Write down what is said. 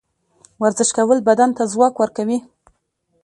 ورزش کول بدن ته ځواک ورکوي.